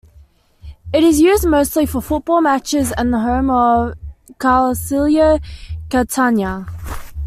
It is used mostly for football matches and the home of Calcio Catania.